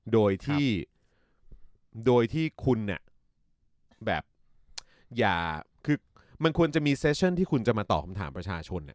โดยที่โดยที่คุณแบบอย่าคือมันควรจะมีเซชั่นที่คุณจะมาตอบคำถามประชาชน